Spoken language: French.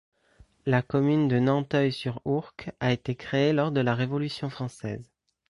La commune de Nanteuil-sur-Ourcq a été créée lors de la Révolution française.